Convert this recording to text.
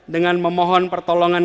dengan memohon pertolongan